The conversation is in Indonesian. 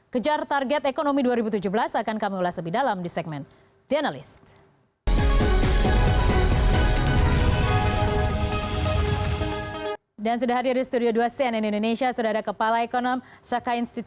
kejar target ekonomi dua ribu tujuh belas akan kami ulas lebih dalam di segmen the analyst